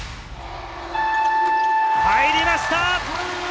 入りました！